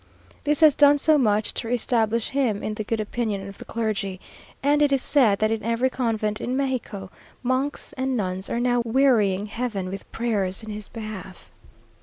This has done much to re establish him in the good opinion of the clergy, and it is said that in every convent in Mexico, monks and nuns are now wearying Heaven with prayers in his behalf.